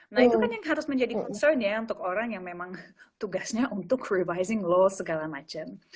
nah itu kan yang harus menjadi concern ya untuk orang yang memang tugasnya untuk vervizing law segala macam